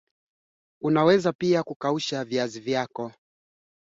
Burundi asilimia ishirini Sudan Kusini na asilimia tano